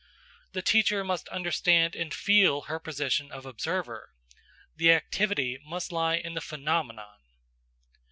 The teacher must understand and feel her position of observer: the activity must lie in the phenomenon.